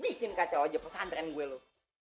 bikin kacau aja pesantren gue lo